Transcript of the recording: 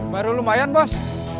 baru lumayan bos